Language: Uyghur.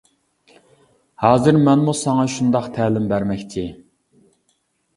ھازىر مەنمۇ ساڭا شۇنداق تەلىم بەرمەكچى.